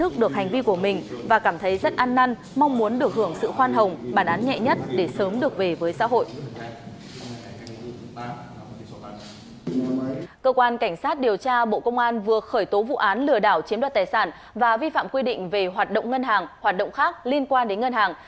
cơ quan cảnh sát điều tra bộ công an vừa khởi tố vụ án lừa đảo chiếm đoạt tài sản và vi phạm quy định về hoạt động ngân hàng hoạt động khác liên quan đến ngân hàng